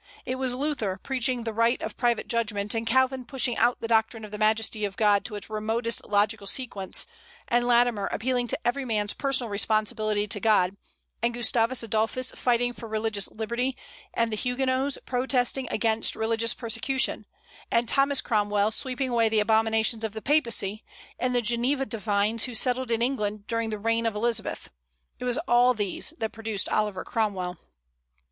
It was Luther preaching the right of private judgment, and Calvin pushing out the doctrine of the majesty of God to its remotest logical sequence, and Latimer appealing to every man's personal responsibility to God, and Gustavus Adolphus fighting for religious liberty, and the Huguenots protesting against religious persecution, and Thomas Cromwell sweeping away the abominations of the Papacy, and the Geneva divines who settled in England during the reign of Elizabeth, it was all these that produced Oliver Cromwell.